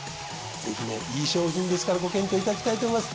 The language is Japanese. ぜひねいい商品ですからご検討いただきたいと思います。